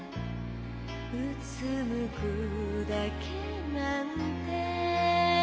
「うつむくだけなんて」